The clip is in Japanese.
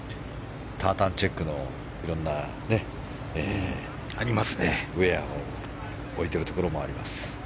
タータンチェックのいろんなウェアを置いているところもあります。